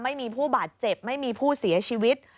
ไม่มีผู้บาดเจ็บไม่มีผู้เสียชีวิต